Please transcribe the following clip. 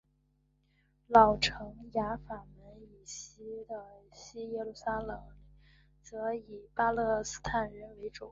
老城雅法门以西的西耶路撒冷则以巴勒斯坦人为主。